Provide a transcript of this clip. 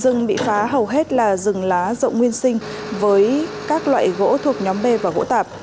rừng bị phá hầu hết là rừng lá rộng nguyên sinh với các loại gỗ thuộc nhóm b và gỗ tạp